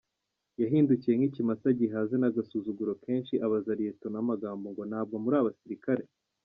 Yahindukiye nk’ikimasa gihaze n’agasuzuguro kenshi abaza Lt Magambo ngo ntabwo muri abasirikare?